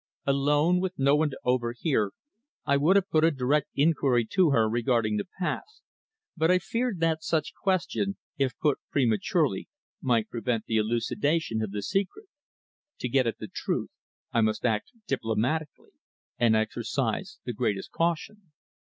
Alone, with no one to overhear, I would have put a direct inquiry to her regarding the past, but I feared that such question, if put prematurely, might prevent the elucidation of the secret. To get at the truth I must act diplomatically, and exercise the greatest caution.